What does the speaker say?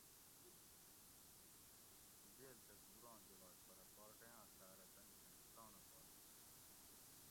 جیل تہ دوراں جولاگ پرہ پارٹیاں ساۤرہ تن کھنہۤ تانڑہ پا نہ لِیش